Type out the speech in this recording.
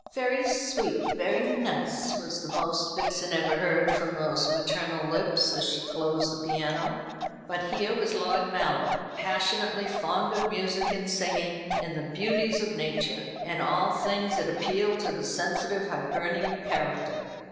"Very sweet, very nice," was the most Vixen ever heard from those maternal lips as she closed the piano. But here was Lord Mallow, passionately fond of music and singing, and the beauties of nature, and all things that appeal to the sensitive Hibernian character.